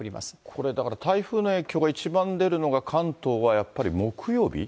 これ、だから台風の影響が一番出るのが関東はやっぱり木曜日？